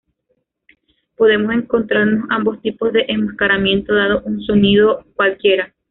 Podemos encontrarnos ambos tipos de enmascaramiento dado un sonido cualquiera.